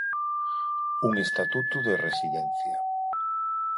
"Un estatuto de residencia".